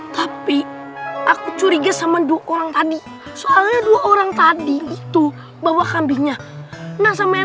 tapi aku curiga sama dua orang tadi soalnya dua orang tadi itu bawa kambingnya nah sama yang